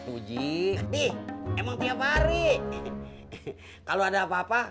udah mulai dibaca